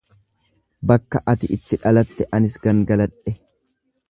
Bakka ati itti dhalatte anis gangaladhe.